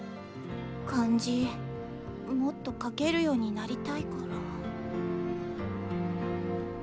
漢字もっと書けるようになりたいから。